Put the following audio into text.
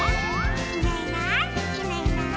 「いないいないいないいない」